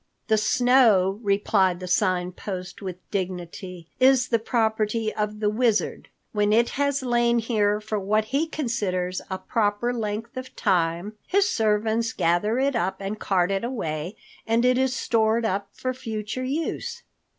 "The snow," replied the Sign Post with dignity, "is the property of the Wizard. When it has lain here for what he considers a proper length of time, his servants gather it up and cart it away and it is stored up for future use."